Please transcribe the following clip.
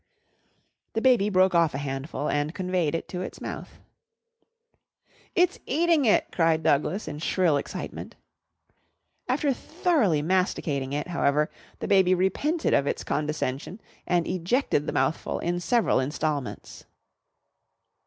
The baby broke off a handful and conveyed it to its mouth. "It's eating it," cried Douglas in shrill excitement. After thoroughly masticating it, however, the baby repented of its condescension and ejected the mouthful in several instalments.